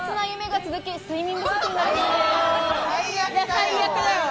最悪だよ。